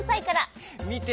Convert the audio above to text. みて。